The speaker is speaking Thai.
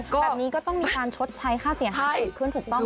แบบนี้ก็ต้องมีการชดใช้ค่าเสียหายผลผู้ตรง